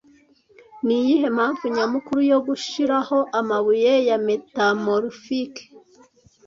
Niyihe mpamvu nyamukuru yo gushiraho amabuye ya metamorphic